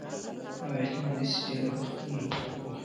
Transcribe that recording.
او احتمالي سيلابي خطرونو د مخنيوي په موخه